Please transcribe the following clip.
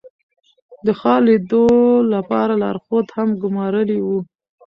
د ښار لیدو لپاره لارښود هم ګمارلی و.